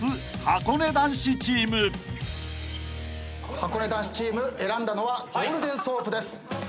はこね男子チーム選んだのはゴールデンソープです。